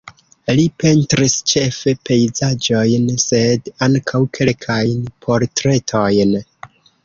Li pentris ĉefe pejzaĝojn sed ankaŭ kelkajn portretojn.